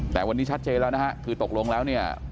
แต่วันนี้ชัดเจนแล้วนะฮะคือตกลงแล้วเนี่ย